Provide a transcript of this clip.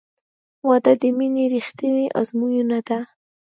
• واده د مینې رښتینی ازموینه ده.